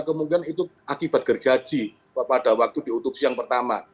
kemungkinan itu akibat gergaji pada waktu diotopsi yang pertama